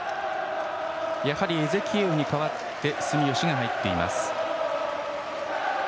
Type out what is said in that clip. やはりエゼキエウに代わって住吉が入っています。